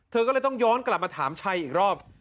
เธอก็เลยต้องย้อนกลับมาถามชัยอีกรอบ